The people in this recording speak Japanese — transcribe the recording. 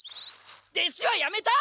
弟子はやめた！